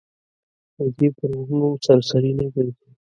وزې پر غرونو سرسري نه ګرځي